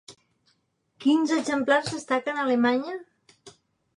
Quins exemplars destaquen a Alemanya?